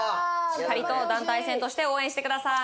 しっかりと団体戦として応援してください